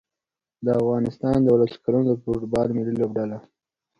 د افغانستان د اولس کلونو د فوټبال ملي لوبډله